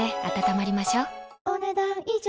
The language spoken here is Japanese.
お、ねだん以上。